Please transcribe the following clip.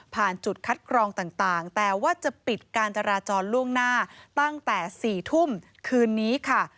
จุดคัดกรองต่างแต่ว่าจะปิดการจราจรล่วงหน้าตั้งแต่๔ทุ่มคืนนี้ค่ะ